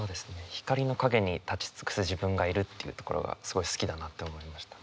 「光りの影に立ち尽くす自分がいる」っていうところがすごい好きだなって思いました。